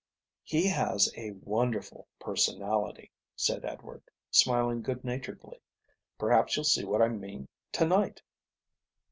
"He has a wonderful personality," said Edward, smiling good naturedly. "Perhaps you'll see what I mean to night."